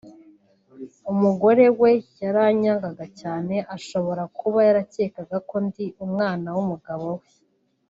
umugore we yaranyangaga cyane […] Ashobora kuba yarakekaga ko ndi umwana w’umugabo we